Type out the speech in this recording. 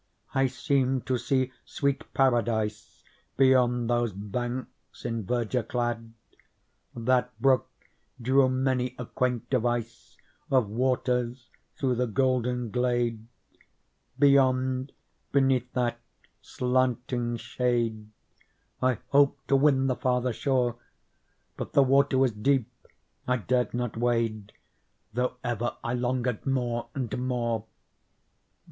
I seemed to see sweet Paradise Beyond those banks in verdure clad : That brook drew many a quaint device Of waters through the golden glade ; Beyond, beneath that slanting shade, I hoped to win the farther shore ; But the water was deep ; I dared not wade, Though ever I longed more and more.